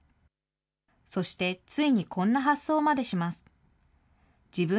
そして、ついにこんな発想までします。